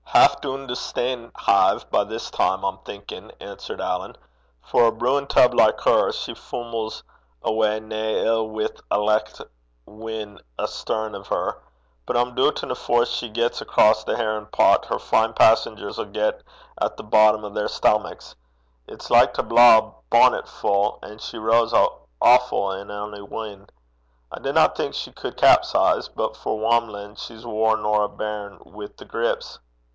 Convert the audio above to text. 'Half doon to Stanehive by this time, I'm thinkin',' answered Alan. 'For a brewin' tub like her, she fummles awa nae ill wi' a licht win' astarn o' her. But I'm doobtin' afore she win across the herrin pot her fine passengers 'll win at the boddom o' their stamacks. It's like to blaw a bonnetfu', and she rows awfu' in ony win'. I dinna think she cud capsize, but for wamlin' she's waur nor a bairn with the grips.'